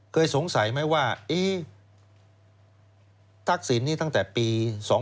เคยสงสัยไหมว่าทักษิณนี้ตั้งแต่ปี๒๕๖